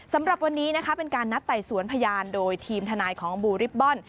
สำหรับวันนี้นะคะเป็นการนัดไต่สวนพยานโดยทีมทนายของบูริบบอล